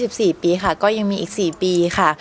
ใช่ค่ะตอนนี้๒๔ปีค่ะก็ยังมีอีก๔ปีค่ะ